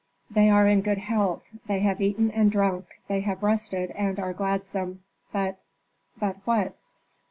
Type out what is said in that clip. "They are in good health, they have eaten and drunk, they have rested and are gladsome. But " "But what?"